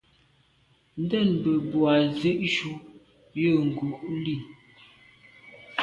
Ndɛ̂mbə̄ bū à’ zí’jú jə̂ ngū’ lî.